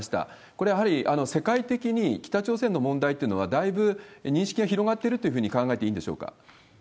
これ、やはり世界的に北朝鮮の問題というのは、だいぶ認識が広がっているというふうに考えていいんでしょうか？